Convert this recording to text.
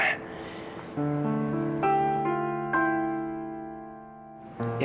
cinta yang mungkin ma